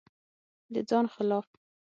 د ځان خلاف